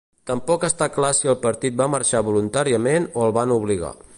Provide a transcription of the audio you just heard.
Tampoc està clar si el partit va marxar voluntàriament o el van obligar.